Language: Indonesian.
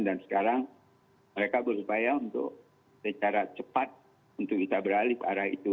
dan sekarang mereka berupaya untuk secara cepat untuk kita beralih ke arah itu